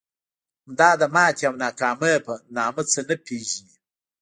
دا د ماتې او ناکامۍ په نامه څه نه پېژني.